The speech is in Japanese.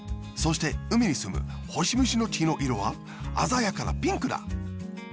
そしてうみにすむホシムシの血のいろはあざやかなピンクだ！